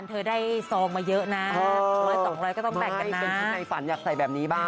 เป็นชุดในฝันอยากใส่แบบนี้บ้าง